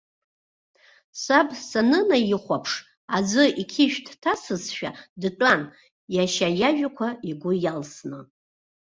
Саб санынаихәаԥш, аӡәы иқьышә дҭасызшәа дтәан, иашьа иажәақәа игәы иалсны.